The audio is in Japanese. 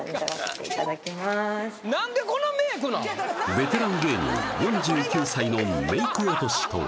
ベテラン芸人４９歳のメイク落としとは？